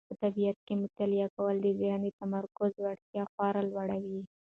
په طبیعت کې مطالعه کول د ذهن د تمرکز وړتیا خورا لوړوي.